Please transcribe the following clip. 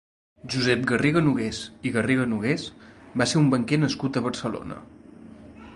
Josep Garriga-Nogués i Garriga-Nogués va ser un banquer nascut a Barcelona.